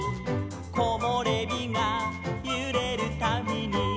「こもれびがゆれるたびに」